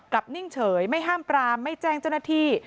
นิ่งเฉยไม่ห้ามปรามไม่แจ้งเจ้าหน้าที่